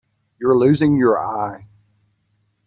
You're losing your eye.